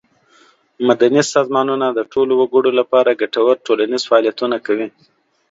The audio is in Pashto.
مدني سازمانونه د ټولو وګړو له پاره ګټور ټولنیز فعالیتونه کوي.